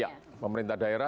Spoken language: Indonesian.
ya pemerintah daerah